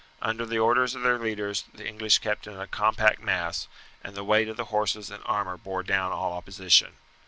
Under the orders of their leaders the English kept in a compact mass, and the weight of the horses and armour bore down all opposition.